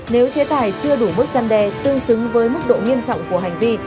nếu chế tài chưa đủ mức gian đe tương xứng với mức độ nghiêm trọng của hành vi